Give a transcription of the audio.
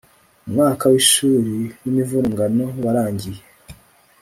umwaka wishuri wimivurungano warangiye